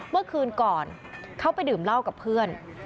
เมื่อคืนก่อนเขาไปดื่มเหล้ากับเพื่อน